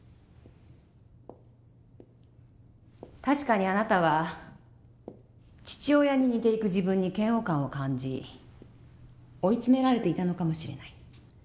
確かにあなたは父親に似ていく自分に嫌悪感を感じ追い詰められていたのかもしれない。